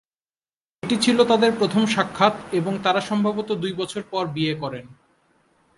এটি ছিল তাদের প্রথম সাক্ষাৎ এবং তারা সম্ভবত দুই বছর পর বিয়ে করেন।